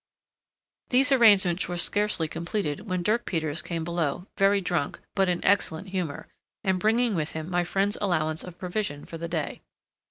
These arrangements were scarcely completed when Dirk Peters came below, very drunk, but in excellent humour, and bringing with him my friend's allowance of provision for the day.